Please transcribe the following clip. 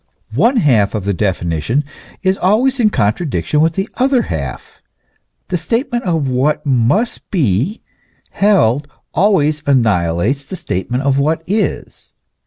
One half of the definition is always in con tradiction with the other half: the statement of what must be held always annihilates the statement of what is.